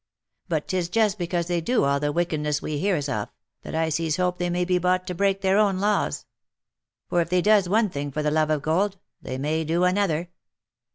But 'tis just because they do all the wickedness we hears of, that I sees hope they may be bought to break their own laws ; for if they does one thing for the love of gold, they may do another.